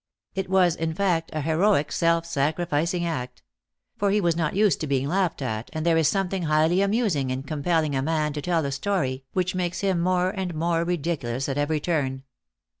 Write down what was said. It was, in fact, a heroic, self sacrificing act ; for he was not used to being laughed at, and there is something highly amusing in compelling a man to tell a story which makes him more and more ridiculous at every turn.